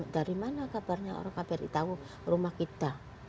dari mana kabarnya orang kbri tahu rumah kita